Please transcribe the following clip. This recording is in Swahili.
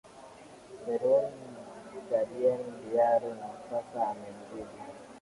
selun dalien diaro na sasa amemzidi